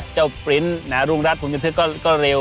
เจ้าปริ้นท์แหน้ารุงรัฐผมยึดทึกก็เร็ว